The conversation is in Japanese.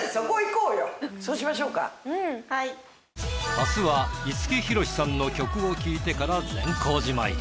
明日は五木ひろしさんの曲を聴いてから善光寺参り。